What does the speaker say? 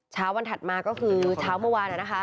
เช้าวันถัดมาก็คือเช้าเมื่อวาน